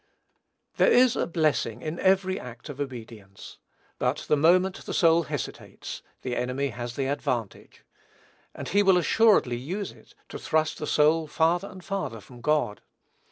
There is a blessing in every act of obedience; but the moment the soul hesitates, the enemy has the advantage; and he will assuredly use it to thrust the soul farther and farther from God.